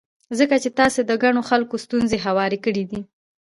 ځکه چې تاسې د ګڼو خلکو ستونزې هوارې کړې دي.